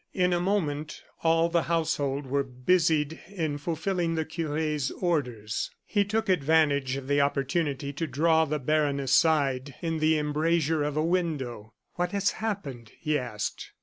In a moment all the household were busied in fulfilling the cure's orders. He took advantage of the opportunity to draw the baron aside in the embrasure of a window. "What has happened?" he asked.